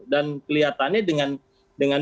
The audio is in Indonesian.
dan kelihatannya dengan